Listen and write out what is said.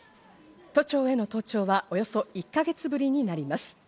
都庁への登庁はおよそ１か月ぶりになります。